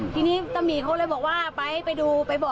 ทีนี้ตามหมีเขามอลตรีมาเห็นปุ๊บ